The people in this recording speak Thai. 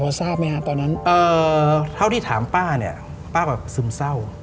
พอทราบไหมฮะตอนนั้นเท่าที่ถามป้าเนี่ยป้าก็ซึมเศร้า